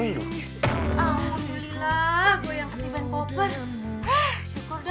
alhamdulillah gue yang ketiban kopernya